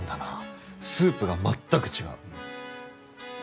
スープが全く違う。